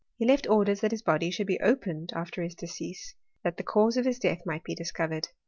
He left orders that his body should be opened after his de cease, that the cause of his death might be discovered.